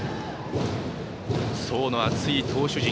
層の厚い投手陣。